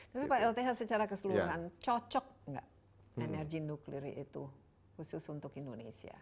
tapi pak lth secara keseluruhan cocok nggak energi nuklir itu khusus untuk indonesia